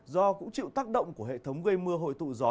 do cũng chịu tác động của hệ thống gây mưa hội tụ gió